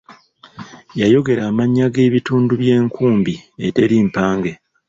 Yogera amannya g’ebitundu by’enkumbi eteri mpange.